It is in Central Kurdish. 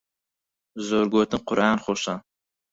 زۆر گۆتن قورئان خۆشە.